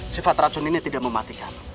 sifat racun ini tidak mematikan